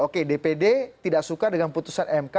oke dpd tidak suka dengan putusan mk